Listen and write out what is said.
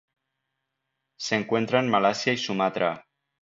Se encuentra en Malasia y Sumatra.